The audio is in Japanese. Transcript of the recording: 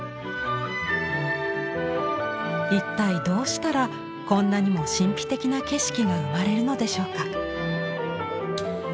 一体どうしたらこんなにも神秘的な景色が生まれるのでしょうか。